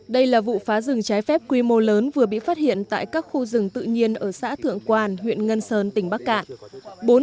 đây là vụ phá rừng trái phép quy mô lớn vừa bị phát hiện tại các khu rừng tự nhiên ở xã thượng quan huyện ngân sơn tỉnh bắc cạn